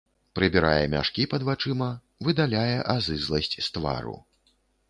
Прыбірае мяшкі пад вачыма, выдаляе азызласць з твару.